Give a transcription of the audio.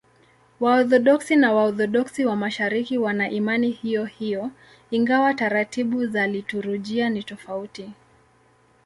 Waorthodoksi na Waorthodoksi wa Mashariki wana imani hiyohiyo, ingawa taratibu za liturujia ni tofauti.